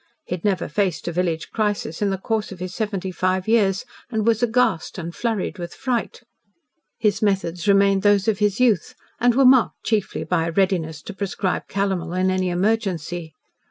He had never faced a village crisis in the course of his seventy five years, and was aghast and flurried with fright. His methods remained those of his youth, and were marked chiefly by a readiness to prescribe calomel in any emergency.